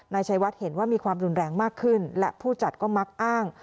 นายชัยวัดเห็นว่ามีความรุนแรงมากขึ้นและผู้จัดก็มักอ้าง